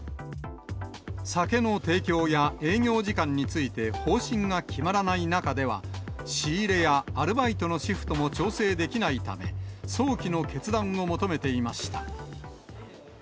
酒の提供や営業時間について方針が決まらない中では、仕入れやアルバイトのシフトも調整できないため、早期の決断を求めていました。